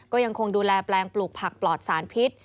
ก็ยังคงดูแลแปลงปลูกผักปลอดสารพิษ